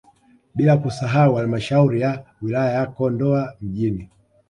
Bila kusahau halmashauri ya wilaya ya Kondoa mjini